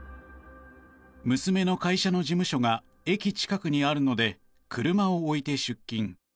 「娘の会社の事務所が駅近くにあるので車を置いて出勤」。